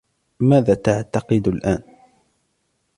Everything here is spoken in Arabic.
ماذا تعتقد الآن؟